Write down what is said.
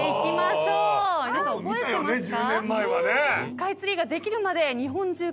スカイツリーができるまで。